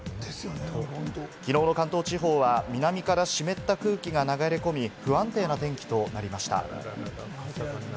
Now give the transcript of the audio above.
きのうの関東地方は南から湿った空気が流れ込み、不安定な天気となりました。